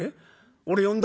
俺呼んだの？」。